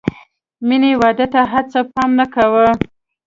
مینې واده ته هېڅ پام نه کاوه